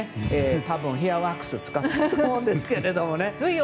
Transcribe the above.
多分、ヘアワックスを使っていると思うんですけど。